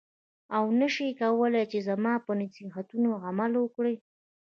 او نه شې کولای چې زما په نصیحتونو عمل وکړې.